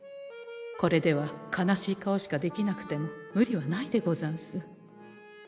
これでは悲しい顔しかできなくても無理はないでござんす。